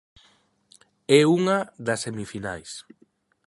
É unha das semifinais.